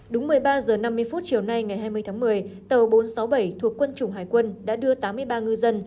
đúng một mươi ba h năm mươi chiều nay ngày hai mươi tháng một mươi tàu bốn trăm sáu mươi bảy thuộc quân chủng hải quân đã đưa tám mươi ba ngư dân